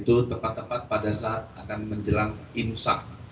itu tepat tepat pada saat akan menjelang imsak